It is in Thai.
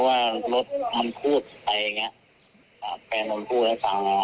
ออะไรเพราะว่าผมไม่อยู่ผมไปกดนาม